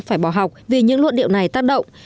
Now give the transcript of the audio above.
phải bỏ học vì những luận điệu này tác động